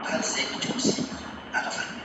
هیڅوک د بل چا حق نسي اخیستلی.